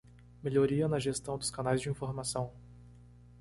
Melhoria na gestão dos canais de informação.